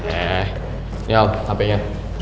eh nyalah hapenya